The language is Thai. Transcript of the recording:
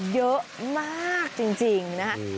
เยอะมากจริงนะครับ